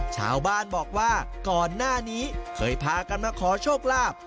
ชาวบ้านบอกว่าก่อนหน้านี้เคยพากันมาขอโชคลาภ